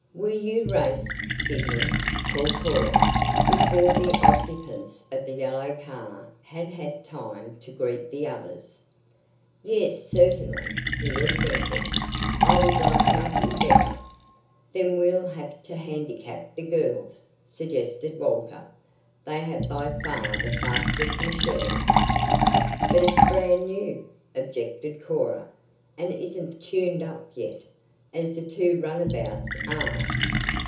"Will you race, Sidney?" called Cora, before the occupants of the yellow car had had time to greet the others. "Yes, certainly," he assented. "I would like nothing better." "Then we'll have to handicap the girls," suggested Walter. "They have by far the fastest machine." "But it's brand new," objected Cora, "and isn't tuned up yet, as the two runabouts are.